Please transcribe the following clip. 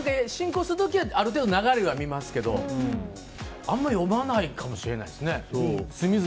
進行する時はある程度、流れは見ますけどあんまり読まないかもしれないですね。